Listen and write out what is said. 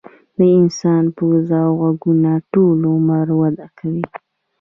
د انسان پوزه او غوږونه ټول عمر وده کوي.